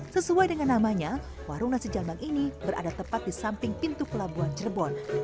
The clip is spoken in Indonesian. sesuai dengan namanya warung nasi jambang ini berada tepat di samping pintu pelabuhan cirebon